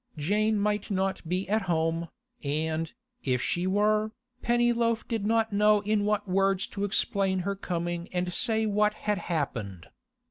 Jane might not be at home, and, if she were, Pennyloaf did not know in what words to explain her coming and say what had happened.